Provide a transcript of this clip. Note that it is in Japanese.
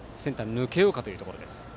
抜けようかというところ。